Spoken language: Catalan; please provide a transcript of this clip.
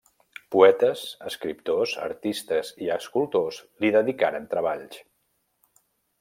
Poetes, escriptors, artistes i escultors li dedicaren treballs.